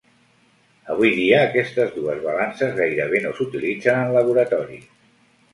Avui dia aquestes dues balances gairebé no s'utilitzen en laboratoris.